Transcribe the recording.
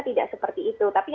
tidak seperti itu tapi